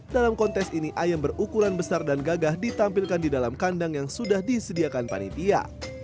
dalam kontes ini ayam berukuran besar dan gagah ditampilkan di dalam kandang yang sudah disediakan panitia